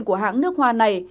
của hãng nước hoa này